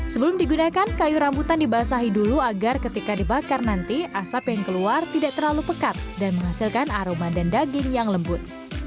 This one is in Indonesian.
sebelum digunakan kayu rambutan dibasahi dulu agar ketika dibakar nanti asap yang keluar tidak terlalu pekat dan menghasilkan aroma dan daging yang lembut